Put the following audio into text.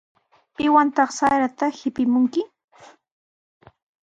¿Piwantaq sarata tipimunki?